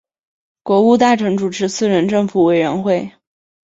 国务大臣主持四人政府委员会。